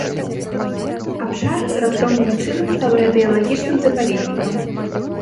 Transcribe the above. Абшар раптоўным чынам стаў радыелагічным запаведнікам.